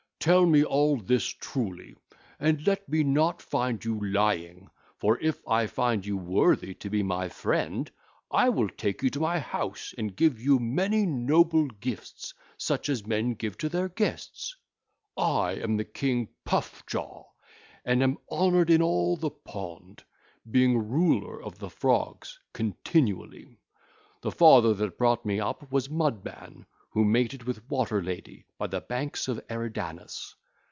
Tell me all this truly and let me not find you lying. For if I find you worthy to be my friend, I will take you to my house and give you many noble gifts such as men give to their guests. I am the king Puff jaw, and am honoured in all the pond, being ruler of the Frogs continually. The father that brought me up was Mud man who mated with Waterlady by the banks of Eridanus.